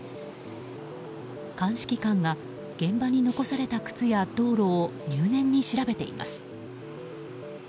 鑑識官は現場に残された靴や道路を入念に調べています。